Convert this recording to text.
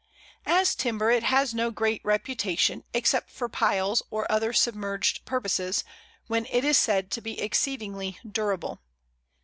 As timber it has no great reputation, except for piles or other submerged purposes, when it is said to be exceedingly durable.